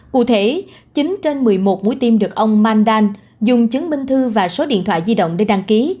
cụ thể chín trên một mươi một mũi tim được ông mandan dùng chứng minh thư và số điện thoại di động để đăng ký